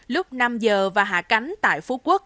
lúc năm h và hạ cánh tại phú quốc